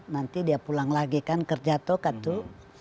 nanti dia pulang lagi kan kerja toh tuh